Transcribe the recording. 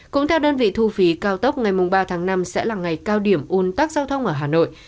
năm mươi bảy cũng theo đơn vị thu phí cao tốc ngày ba tháng năm sẽ là ngày cao điểm un tắc giao thông ở hà nội